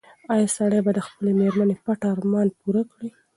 ایا سړی به د خپلې مېرمنې پټ ارمان پوره کړي؟